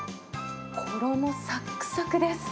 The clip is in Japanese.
衣さっくさくです。